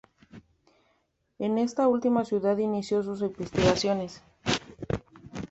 En esta última ciudad inició sus investigaciones.